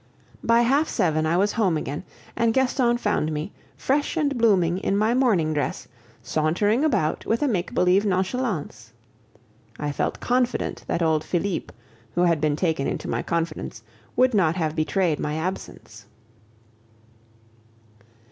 By half seven I was home again, and Gaston found me, fresh and blooming, in my morning dress, sauntering about with a make believe nonchalance. I felt confident that old Philippe, who had been taken into my confidence, would not have betrayed my absence.